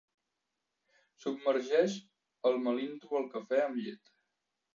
Submergeix el melindro al cafè amb llet.